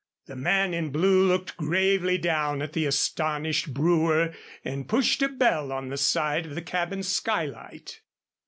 The man in blue looked gravely down at the astonished brewer and pushed a bell on the side of the cabin skylight.